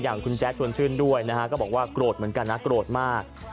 อย่างคุณแจ๊ดชวนชื่นด้วยนะฮะก็บอกว่าโกรธเหมือนกันนะโกรธมาก